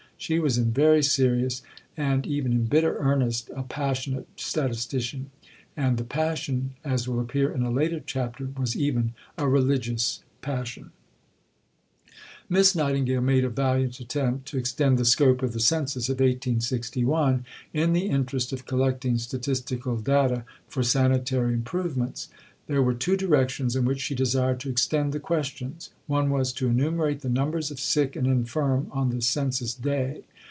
She was in very serious, and even in bitter, earnest a "passionate statistician." And the passion, as will appear in a later chapter, was even a religious passion. See below, p. 480. Miss Nightingale made a valiant attempt to extend the scope of the Census of 1861 in the interest of collecting statistical data for sanitary improvements. There were two directions in which she desired to extend the questions. One was to enumerate the numbers of sick and infirm on the Census day.